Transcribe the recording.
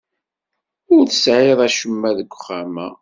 Ur tesɛid acemma deg uxxam-a.